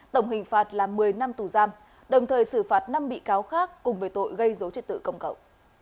tổng hình phạt là một mươi năm tù giam đồng thời xử phạt năm bị cáo khác cùng với tội gây dấu triệt tự công cậu